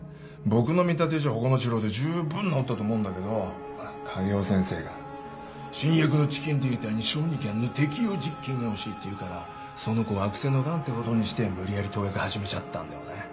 僕の見立てじゃ他の治療で十分治ったと思うんだけどほら影尾先生が「新薬の治験データに小児がんの適用実験が欲しい」って言うからその子を悪性のがんってことにして無理やり投薬始めちゃったんだよね